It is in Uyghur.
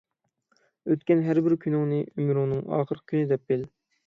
ئۆتكەن ھەر بىر كۈنۈڭنى ئۆمرۈمنىڭ ئاخىرقى كۈنى دەپ بىل.